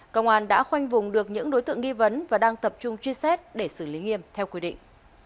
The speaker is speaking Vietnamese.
công an đã khoanh vùng được những đối tượng nghi vấn và đang tập trung truy xét để xử lý nghiêm theo quy định